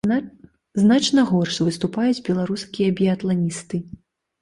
Значна горш выступаюць беларускія біятланісты.